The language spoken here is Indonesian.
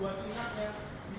waktu itu kemudian